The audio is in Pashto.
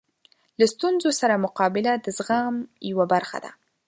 له ستونزو سره مقابله د زغم یوه برخه ده.